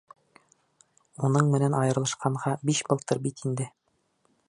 Уның менән айырылышҡанға биш былтыр бит инде.